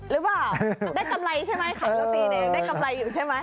หรือเปล่าได้กำไรใช่ไหมขายโรตีเนี่ยได้กำไรอยู่ใช่ไหม